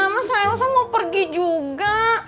masa elsa mau pergi juga